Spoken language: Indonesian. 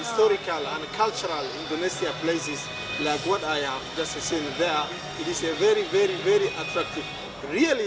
di tempat tempat indonesia yang berkultur seperti yang saya lihat di sana itu tempat yang sangat menarik